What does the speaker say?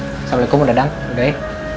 assalamualaikum udhadang udhoy